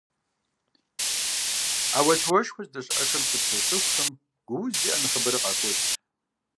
Ӏэуэлъауэшхуэ здэщыӀэхэм щыпсэу цӏыхухэм гу уз зиӀэ нэхъыбэрэ къахокӏ.